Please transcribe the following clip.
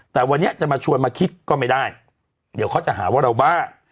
แต่วันนี้จะมาชวนมาคิดก็ไม่ได้เดี๋ยวเขาจะหาว่าเราบ้า